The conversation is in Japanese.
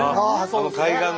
あの海岸で。